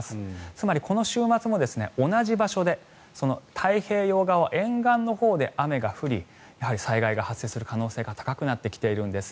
つまりこの週末も同じ場所で太平洋側沿岸のほうで雨が降り、災害が発生する可能性が高くなってきているんです。